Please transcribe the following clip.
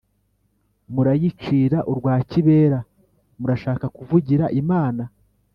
Murayicira urwa kibera? Murashaka kuvugira Imana?